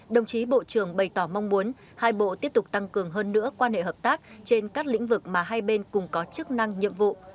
đồng chí bộ trưởng bày tỏ mong muốn hai bộ tiếp tục tăng cường hơn nữa quan hệ hợp tác trên các lĩnh vực mà hai bên cùng có chức năng nhiệm vụ